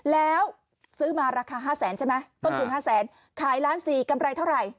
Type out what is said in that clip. แล้วซื้อมาราคา๕แสนใช่ไหมต้นทุน๕แสนขายล้านสี่กำไรเท่าไหร่